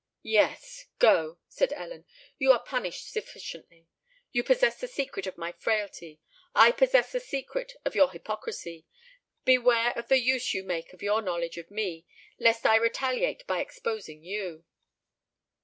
"Yes—go," said Ellen: "you are punished sufficiently. You possess the secret of my frailty—I possess the secret of your hypocrisy: beware of the use you make of your knowledge of me, lest I retaliate by exposing you."